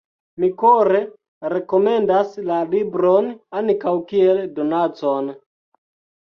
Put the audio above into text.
Mi kore rekomendas la libron, ankaŭ kiel donacon!